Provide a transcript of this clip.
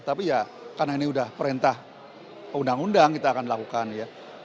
tapi ya karena ini sudah perintah undang undang kita akan lakukan ya